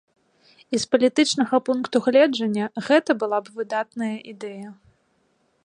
І з палітычнага пункту гледжання гэта была б выдатная ідэя.